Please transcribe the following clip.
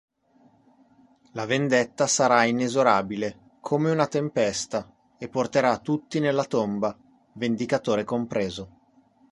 La vendetta sarà inesorabile, come una tempesta, e porterà tutti nella tomba, vendicatore compreso.